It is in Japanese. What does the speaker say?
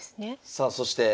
さあそして。